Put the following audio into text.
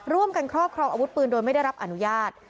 ครอบครองอาวุธปืนโดยไม่ได้รับอนุญาต